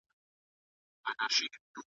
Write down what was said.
ملا وکښې دایرې یو څو شکلونه .